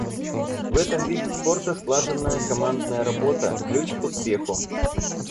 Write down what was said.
В этом виде спорта слаженная командная работа — ключ к успеху.